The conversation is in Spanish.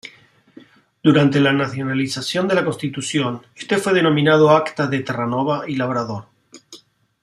Durante la nacionalización de la Constitución, este fue denominado "Acta de Terranova y Labrador".